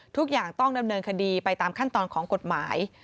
ทุกอย่างต้องดำเนินคดีไปตามขั้นตอนของกฎหมาย